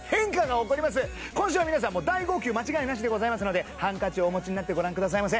今週は皆さんも大号泣間違いなしでございますのでハンカチをお持ちになってご覧くださいませ。